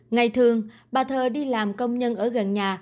ngày thường bà thơ đi làm công nhân ở gần nhà